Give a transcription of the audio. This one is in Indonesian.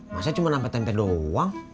masa cuma nampak tempe doang